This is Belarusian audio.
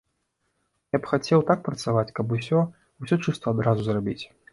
Я б хацеў так працаваць, каб усё, усё чыста адразу зрабіць!